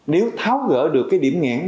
nếu tháo gỡ được cái điểm ngãn